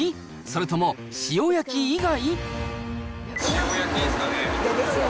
それとも塩焼き以外？